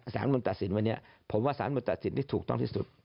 สารธรรมดันตัดสินที่มีที่ถูกต้องที่สุด